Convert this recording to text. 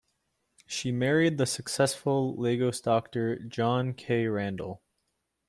She married the successful Lagos doctor John K. Randle.